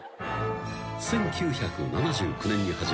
［１９７９年に始まり